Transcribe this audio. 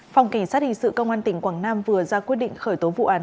phòng kỳ sát hình sự công an tỉnh quảng nam vừa ra quyết định khởi tố vụ án